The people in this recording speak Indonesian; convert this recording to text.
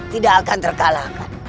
tidak akan terkalahkan